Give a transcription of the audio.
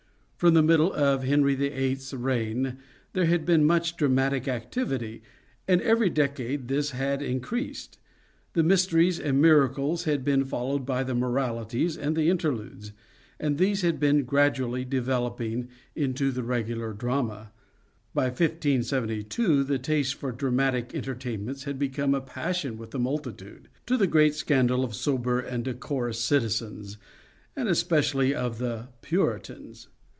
From the middle of Henry VIIL's reign there had 2 SHAKESPEAREAN THEATRES been much dramatic activity, and every decade this had increased. The mysteries and miracles had been followed by the moralities and inter ludes, and these had been gradually developing into the regular drama. By 1572 the taste for dramatic entertainments had become a passion with the multitude, to the great scandal of sober and decorous citizens, and especially of the Puritans.